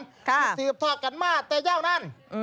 ที่สีบท่อกันมากแต่ย่าวนาน